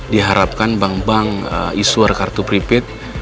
di harapkan bank bank issuer kartu pripet